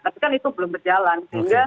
tapi kan itu belum berjalan